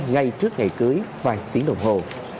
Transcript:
ngay trước ngày cưới vài tiếng đồng hồ